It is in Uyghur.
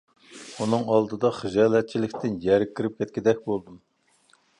ئۇنىڭ ئالدىدا خىجالەتچىلىكتىن يەرگە كىرىپ كەتكۈدەك بولدۇم.